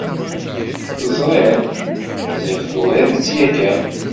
Teẓriḍ! Ziɣ turiḍ-tt yakan.